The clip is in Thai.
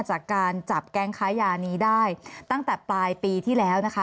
จากการจับแก๊งค้ายานี้ได้ตั้งแต่ปลายปีที่แล้วนะคะ